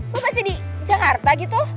gue masih di jakarta gitu